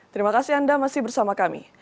terima kasih anda masih bersama kami